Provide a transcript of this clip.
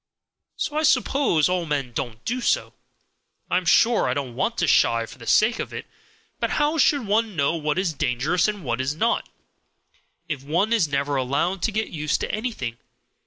So I suppose all men don't do so. I am sure I don't want to shy for the sake of it; but how should one know what is dangerous and what is not, if one is never allowed to get used to anything?